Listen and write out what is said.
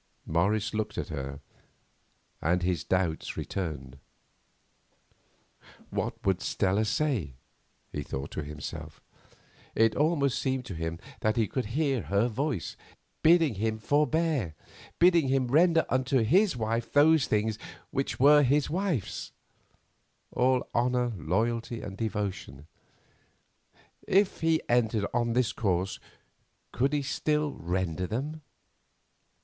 Morris looked at her, and his doubts returned. What would Stella say? he thought to himself. It almost seemed to him that he could hear her voice, bidding him forbear; bidding him render unto his wife those things which were his wife's: all honour, loyalty, and devotion. If he entered on this course could he still render them?